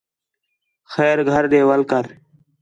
خیر گھر ݙے وَل کر